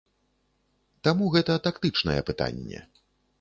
Таму гэта тактычнае пытанне.